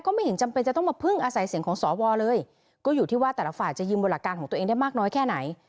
ไม่เห็นจำเป็นจะต้องมาพึ่งอาศัยเสียงของสวเลยก็อยู่ที่ว่าแต่ละฝ่ายจะยืมบนหลักการของตัวเองได้มากน้อยแค่ไหน